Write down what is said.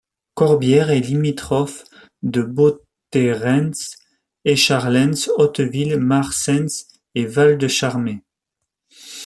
Corbières est limitrophe de Botterens, Echarlens, Hauteville, Marsens et Val-de-Charmey.